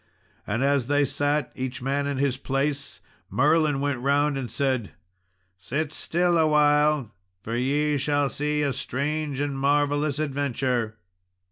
And as they sat, each man in his place, Merlin went round and said, "Sit still awhile, for ye shall see a strange and marvellous adventure."